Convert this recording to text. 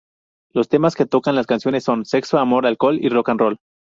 Los temas que tocan las canciones son sexo, amor, alcohol y rock and roll.